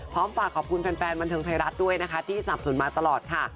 ฝากขอบคุณแฟนบันเทิงไทยรัฐด้วยนะคะที่สนับสนมาตลอดค่ะ